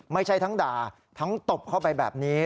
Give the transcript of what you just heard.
ไม่ใช่ทั้งด่าทั้งตบเข้าไปแบบนี้